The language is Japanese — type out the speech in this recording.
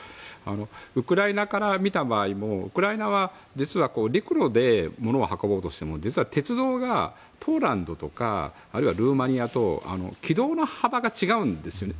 ウクライナから見た場合もウクライナは実は陸路で物を運ぼうとしても実は鉄道がポーランドとかルーマニアと幅が違うんですね。